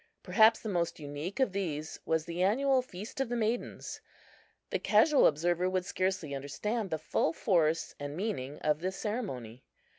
Perhaps the most unique of these was the annual "feast of maidens." The casual observer would scarcely understand the full force and meaning of this ceremony.